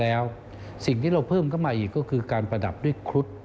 แล้วสิ่งที่เราเพิ่มเข้ามาอีกก็คือการประดับด้วยครุฑ